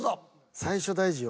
最初大事よ。